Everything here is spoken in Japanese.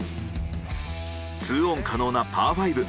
２オン可能なパー５。